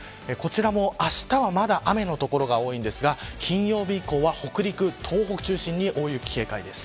あしたは、まだ雨の所が多いですが、金曜日以降は北陸、東北中心に大雪警戒です。